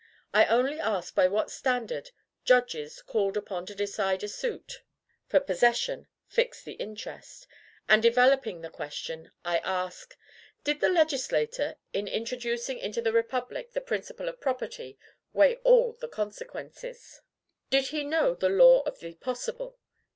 I only ask by what standard judges, called upon to decide a suit for possession, fix the interest? And, developing the question, I ask, Did the legislator, in introducing into the Republic the principle of property, weigh all the consequences? Did he know the law of the possible?